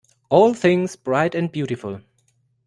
All things bright and beautiful.